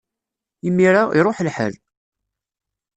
Imir-a, iṛuḥ lḥal!